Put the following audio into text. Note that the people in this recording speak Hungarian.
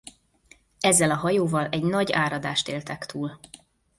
Ezzel a hajóval egy nagy áradást éltek túl.